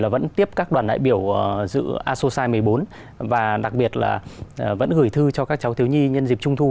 vẫn tiếp các đoàn đại biểu dự asosai một mươi bốn và đặc biệt là vẫn gửi thư cho các cháu thiếu nhi nhân dịp trung thu